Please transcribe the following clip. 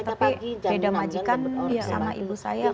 tapi beda majikan sama ibu saya